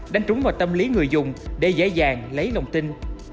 đánh trúng vào tâm lý người dùng để dễ dàng lấy lòng tin